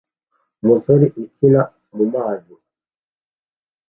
Umusore ukina mumazi